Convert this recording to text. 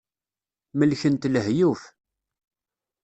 Melken-t lehyuf.